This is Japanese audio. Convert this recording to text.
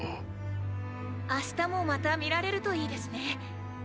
明日もまた見られるといいですね。